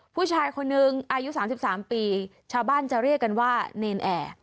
ผู้ชายคนนึงอายุ๓๓ปีชาวบ้านจะเรียกกันว่าเนรนแอร์